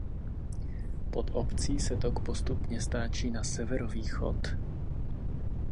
Pod obcí se tok postupně stáčí na severovýchod.